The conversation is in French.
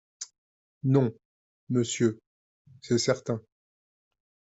Non, monsieur, c’est certain.